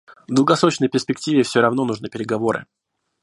В долгосрочной перспективе всё равно нужны переговоры.